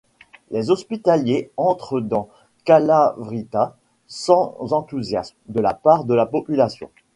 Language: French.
Les Hospitaliers entrent dans Kalávryta sans enthousiasme de la part de la population.